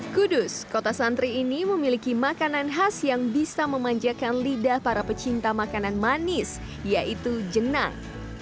kudus kota santri ini memiliki makanan khas yang bisa memanjakan lidah para pecinta makanan manis yaitu jenang